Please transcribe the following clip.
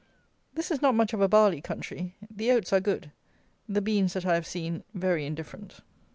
This is not much of a barley country. The oats are good. The beans that I have seen, very indifferent.